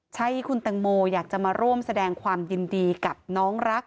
ใช่คุณแตงโมอยากจะมาร่วมแสดงความยินดีกับน้องรัก